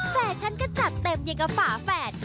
แฟชั่นก็จัดเต็มอย่างกับฝาแฟน